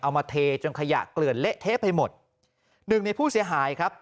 มาเทจนขยะเกลื่อนเละเทะไปหมดหนึ่งในผู้เสียหายครับ